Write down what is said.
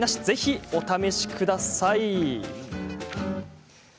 ぜひお試しください。